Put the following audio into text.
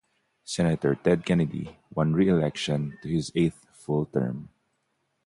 Senator Ted Kennedy won re-election to his eighth full term.